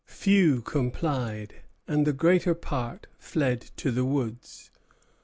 Few complied, and the greater part fled to the woods.